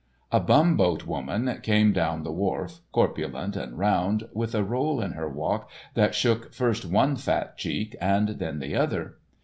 A bum boat woman came down the wharf, corpulent and round, with a roll in her walk that shook first one fat cheek and then the other.